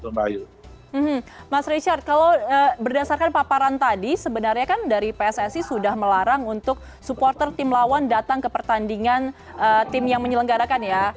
mas richard kalau berdasarkan paparan tadi sebenarnya kan dari pssi sudah melarang untuk supporter tim lawan datang ke pertandingan tim yang menyelenggarakan ya